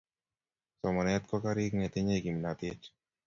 somanet ko karik netinyei kimnatet